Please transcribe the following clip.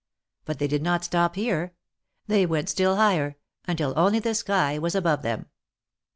But they did not stop here; they went still higher, until only the sky was above them.